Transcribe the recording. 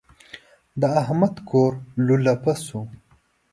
د احمد کور لولپه شو.